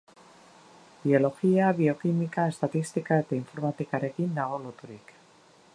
Biologia, biokimika, estatistika eta informatikarekin dago loturik.